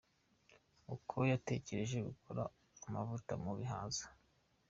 Uko yatekereje gukora amavuta mu bihaza .